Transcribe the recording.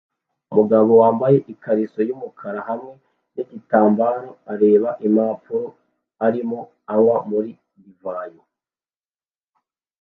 Umugabo wambaye ikariso yumukara hamwe nigitambara areba impapuro arimo anywa muri divayi